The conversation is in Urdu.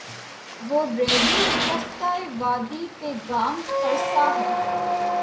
وہ ریگِ تفتۂ وادی پہ گام فرسا ہے